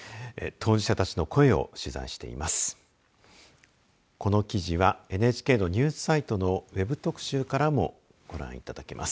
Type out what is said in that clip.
当事者たちの声を取材しています。